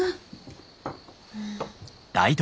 うん。